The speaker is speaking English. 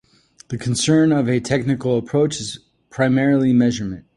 The concern of a technical approach is primarily measurement.